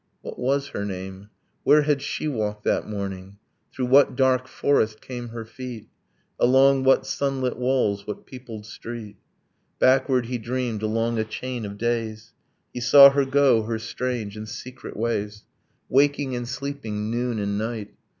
What was her name? Where had she walked that morning? Through what dark forest came her feet? Along what sunlit walls, what peopled street? Backward he dreamed along a chain of days, He saw her go her strange and secret ways, Waking and sleeping, noon and night.